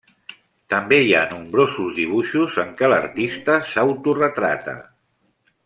També hi ha nombrosos dibuixos en què l'artista s'autoretrata.